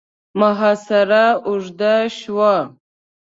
محاصره اوږده شوه.